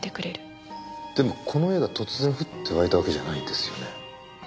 でもこの絵が突然降って湧いたわけじゃないんですよね？